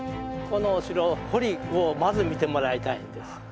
このお城堀をまず見てもらいたいんです。